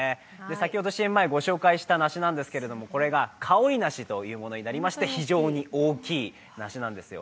先ほどＣＭ前にご紹介した梨なんですけど、これがかおり梨というものになりまして非常に大きい梨なんですよ。